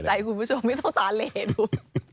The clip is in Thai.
ใจคุณผู้ชมไม่ต้องตาเลดู